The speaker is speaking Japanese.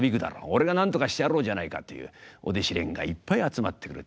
「俺がなんとかしてやろうじゃないか」というお弟子連がいっぱい集まってくる。